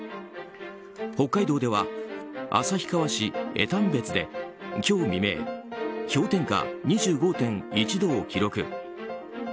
北海道では旭川市江丹別で今日未明氷点下２５．１度を記録。